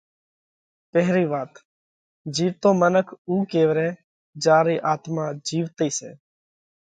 پيرھين وات: جيوَتو منک اُو ڪيوَرائھ جيا رئي آتما جيوَتئي سئہ۔